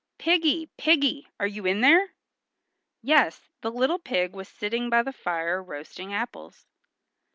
"Piggy, Piggy! Are you in there?" Yes, the little pig was sitting by the fire roasting apples.